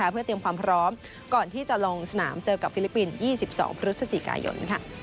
เพื่อเตรียมความพร้อมก่อนที่จะลงสนามเจอกับฟิลิปปินส์๒๒พฤศจิกายน